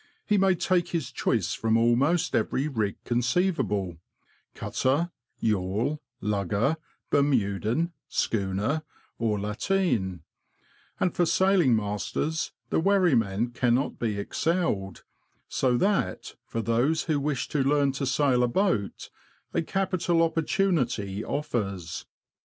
He may take his choice from almost every rig conceivable — cutter, yawl, lugger, Bermudan, schooner, or lateen ; and for sailing masters the wherry men cannot be excelled — so that, for those who wish to learn to sail a boat, a capital opportunity offers.